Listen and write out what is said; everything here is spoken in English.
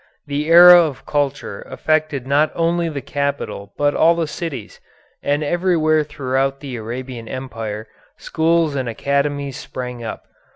The era of culture affected not only the capital but all the cities, and everywhere throughout the Arabian empire schools and academies sprang up.